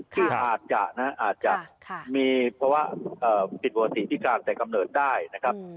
ที่อาจจะมีปิดปกติที่การแต่กำเนิดได้นะครับ